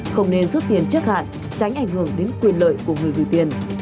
không nên rút tiền trước hạn tránh ảnh hưởng đến quyền lợi của người gửi tiền